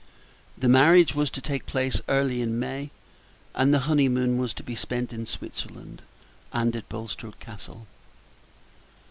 The marriage was to take place early in May, and the honeymoon was to be spent in Switzerland and at Bulstrode Castle.